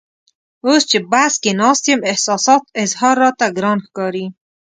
اوس چې بس کې ناست یم احساساتو اظهار راته ګران ښکاري.